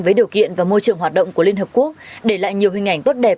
với điều kiện và môi trường hoạt động của liên hợp quốc để lại nhiều hình ảnh tốt đẹp